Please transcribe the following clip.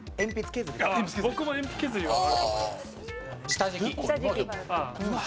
僕も鉛筆けずりはあると思います。